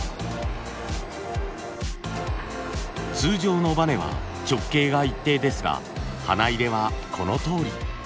通常のバネは直径が一定ですが花入れはこのとおり。